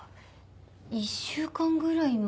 １週間ぐらい前に。